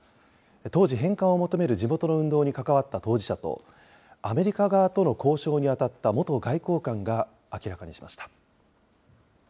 当時、返還を求める地元の運動に関わった当事者と、アメリカ側との交渉に当たった元外交官が明らかにしました。